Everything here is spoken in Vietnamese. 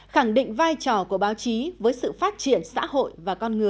khẳng định vai trò của báo chí với sự phát triển xã hội và con người